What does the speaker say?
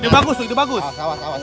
itu bagus itu bagus